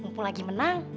mumpung lagi menang